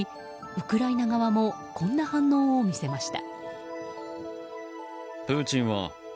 ウクライナ側もこんな反応を見せました。